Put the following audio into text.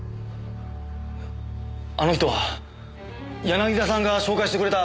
あの人は柳田さんが紹介してくれた実業家の人で！